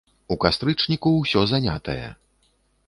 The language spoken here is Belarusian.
У кастрычніку усё занятае.